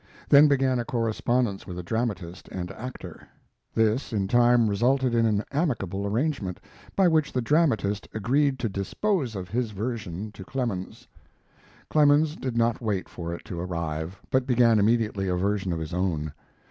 Then began a correspondence with the dramatist and actor. This in time resulted in an amicable arrangement, by which the dramatist agreed to dispose of his version to Clemens. Clemens did not wait for it to arrive, but began immediately a version of his own.